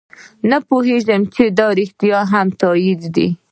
نه پوهېږو چې دا رښتیا هم تایید دی.